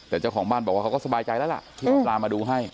แต่เจ้าของบ้านบอกว่าเขาก็สบายใจแล้วล่ะที่หมอปลามาดูให้